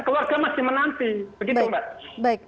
keluarga masih menanti begitu mbak